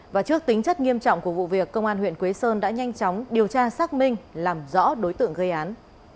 và trước tính chất nghiêm trọng của vụ việc công an huyện quế sơn đã nhanh chóng điều tra xác minh làm rõ đối tượng gây án